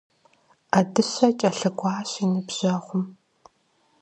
Ӏэдыщэ кӀэлъыкӀуащ и ныбжьэгъум.